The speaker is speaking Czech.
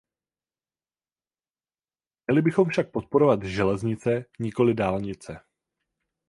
Měli bychom však podporovat železnice, nikoli dálnice.